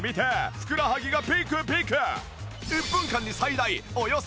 ふくらはぎがピクピク！